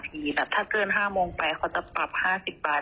ที่เกิน๕มงไปเขาจะปรับ๗๐บาท